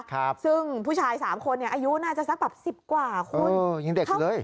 ครับซึ่งผู้ชายสามคนเนี้ยอายุน่าจะสักแบบสิบกว่าคุณเออยังเด็กอยู่เลย